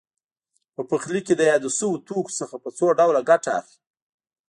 په پخلي کې له یادو شویو توکو څخه په څو ډوله ګټه اخلي.